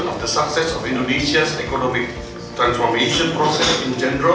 untuk keberhasilan proses transformasi ekonomi indonesia